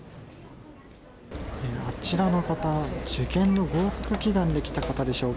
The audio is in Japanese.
あちらの方、受験の合格祈願で来た方でしょうか。